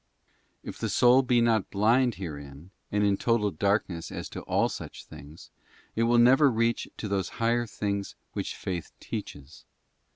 If the soul be not blind herein, and in total darkness as to all such things, it will never reach to those higher things which faith teaches.